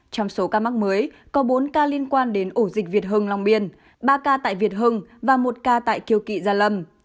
trong số ca mắc mới có bốn ca liên quan đến ổ dịch việt hưng long biên ba ca tại việt hưng và một ca tại kiều kỵ gia lâm